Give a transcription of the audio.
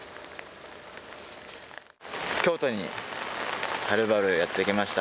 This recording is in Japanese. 京都にはるばるやって来ました。